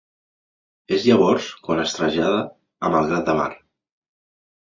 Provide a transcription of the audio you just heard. És llavors quan es trasllada a Malgrat de Mar.